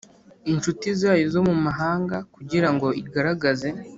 inshuti zayo zo mu mahanga kugira ngo igaragaze